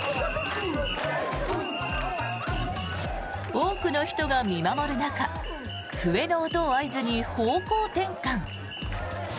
多くの人が見守る中笛の音を合図に方向転換。